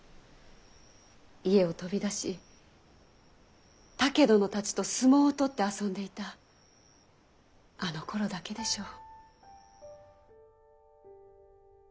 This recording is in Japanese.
家を飛び出し竹殿たちと相撲をとって遊んでいたあのころだけでしょう。